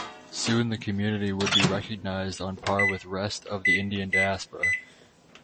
Soon the community would be recognized on par with rest of the Indian diaspora.